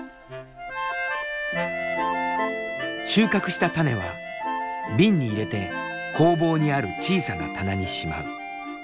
収穫した種は瓶に入れて工房にある小さな棚にしまう。